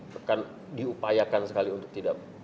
bukan diupayakan sekali untuk tidak pecah